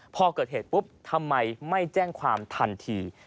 พอเกิดเหตุปุ๊บทำไมไม่แจ้งความทันที